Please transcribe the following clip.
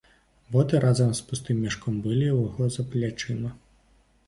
Боты разам з пустым мяшком былі ў яго за плячыма.